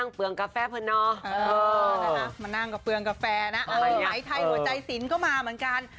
เหมือนไทยหัวใจสินเหมือนกัน